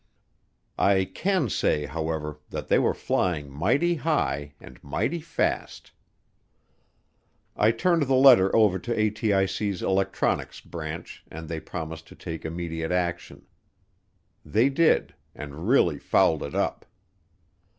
I can say, however, that they were flying mighty high and mighty fast. I turned the letter over to ATIC's electronics branch, and they promised to take immediate action. They did, and really fouled it up.